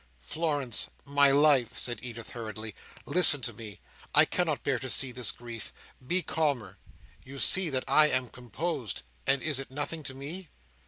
"Florence! my life!" said Edith, hurriedly, "listen to me. I cannot bear to see this grief. Be calmer. You see that I am composed, and is it nothing to me?"